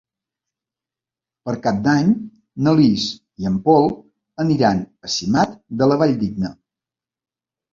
Per Cap d'Any na Lis i en Pol aniran a Simat de la Valldigna.